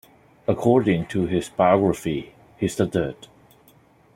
According to his biography, he stuttered.